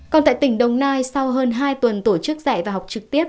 còn tại tỉnh đồng nai sau hơn hai tuần tổ chức dạy và học trực tiếp